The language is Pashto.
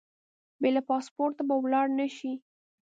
بې له پاسپورټه به ولاړ نه شې.